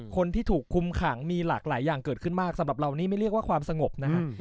คนที่ถูกคุมขังมีหลากหลายอย่างเกิดขึ้นมากสำหรับเรานี่ไม่เรียกว่าความสงบนะครับ